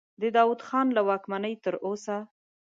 د داود خان له واکمنۍ تر اوسه.